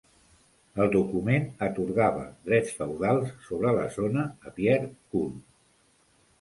El document atorgava drets feudals sobre la zona a Pierre Coul.